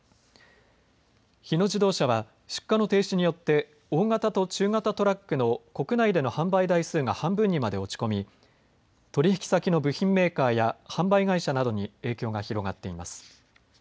日野自動車は出荷の停止によって大型と中型トラックの国内での販売台数が半分にまで落ち込み、取引先の部品メーカーや販売会社などに影響が広がっています。